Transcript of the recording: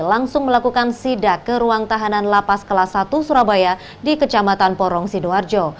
langsung melakukan sidak ke ruang tahanan lapas kelas satu surabaya di kecamatan porong sidoarjo